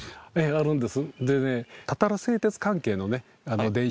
あるんですね！